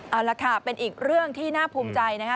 เอาละค่ะเป็นอีกเรื่องที่น่าภูมิใจนะคะ